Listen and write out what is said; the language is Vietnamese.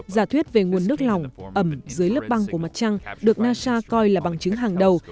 giả thuyết về nguồn nước lỏng ẩm dưới lớp băng của mặt trăng được nasa coi là bằng chứng hàng đầu